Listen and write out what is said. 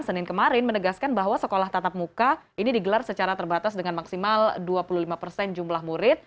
senin kemarin menegaskan bahwa sekolah tatap muka ini digelar secara terbatas dengan maksimal dua puluh lima persen jumlah murid